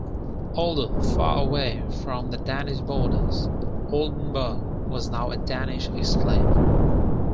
Although far away from the Danish borders, Oldenburg was now a Danish exclave.